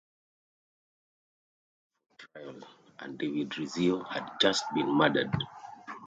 Mary had summoned him for trial, and David Rizzio had just been murdered.